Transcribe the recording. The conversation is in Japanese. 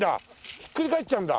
ひっくり返っちゃうんだ。